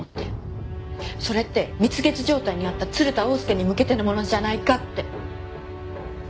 それって蜜月状態にあった鶴田翁助に向けてのものじゃないかって！